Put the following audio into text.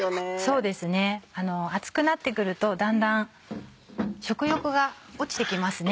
そうですね暑くなってくるとだんだん食欲が落ちてきますね。